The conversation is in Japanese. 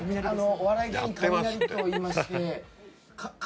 お笑い芸人カミナリといいまして。